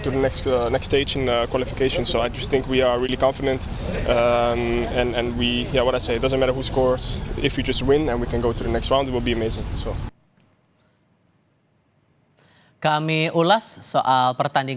karena jika kita menang lawan irak kita akan menunjukkan bahwa kita berada di arah yang baik